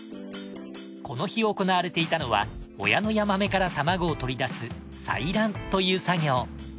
この日行われていたのは親のヤマメから卵を取り出す採卵という作業。